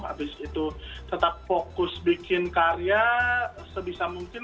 habis itu tetap fokus bikin karya sebisa mungkin